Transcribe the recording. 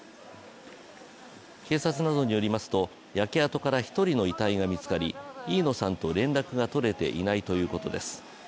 警察などによりますと、焼け跡から１人の遺体が見つかり、飯野さんと連絡が取れていないということです。